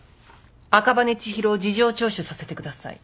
赤羽千尋を事情聴取させてください。